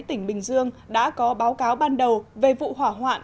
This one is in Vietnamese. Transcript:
tỉnh bình dương đã có báo cáo ban đầu về vụ hỏa hoạn